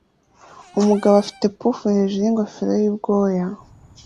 Umugabo afite poof hejuru yingofero ye yubwoya